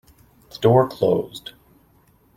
The door closed.